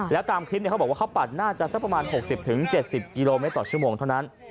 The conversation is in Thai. แล้วตามคริปเขาบอกว่าเข้าบอกเขาปั่นน่าจะประมาณ๖๐๗๐กิโลเมตรชั่วโมงเท่านั้น